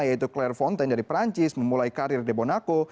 yaitu claire fontaine dari perancis memulai karir di bonaco